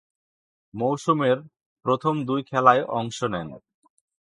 মৌসুমের প্রথম দুই খেলায় অংশ নেন।